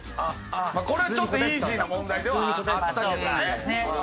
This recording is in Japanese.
これはちょっとイージーな問題ではあったけどね。